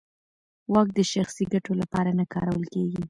واک د شخصي ګټو لپاره نه کارول کېږي.